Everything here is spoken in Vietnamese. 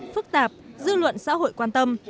phức tạp dư luận xã hội quan tâm